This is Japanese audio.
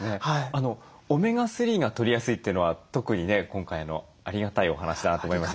オメガ３がとりやすいというのは特にね今回のありがたいお話だなと思いましたけど。